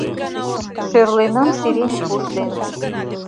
Шӧрленам сирень пуш ден.